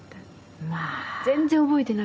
まあ！